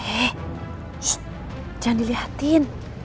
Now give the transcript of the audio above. hei shhh jangan dilihatin